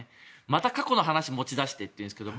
また過去の話持ち出してというんですけど